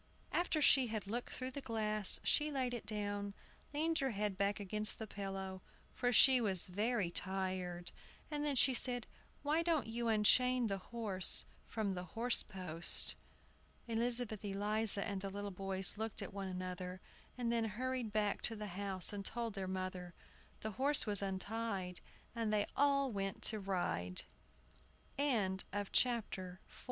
After she had looked through the glass, she laid it down, leaned her head back against the pillow, for she was very tired, and then said, "Why don't you unchain the horse from the horse post?" Elizabeth Eliza and the little boys looked at one another, and then hurried back to the house and told their mother. The horse was untied, and they all went to ride. THE PETERKINS AT HOME.